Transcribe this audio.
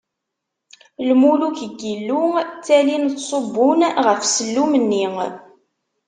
Lmuluk n Yillu ttalin ttṣubbun ɣef sellum-nni.